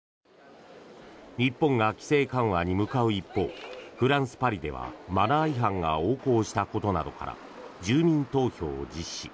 日本が規制緩和に向かう一方フランス・パリではマナー違反が横行したことなどから住民投票を実施。